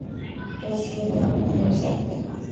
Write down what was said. El estudio drama en la Universidad de Texas.